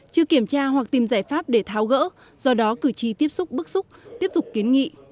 chưa kiểm tra hoặc tìm giải pháp để tháo gỡ do đó cử tri tiếp xúc bức xúc tiếp tục kiến nghị